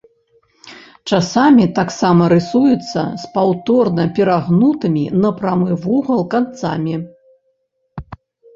Часамі таксама рысуецца з паўторна перагнутымі на прамы вугал канцамі.